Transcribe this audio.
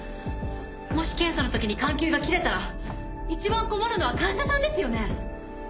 もし検査のときに管球が切れたら一番困るのは患者さんですよね？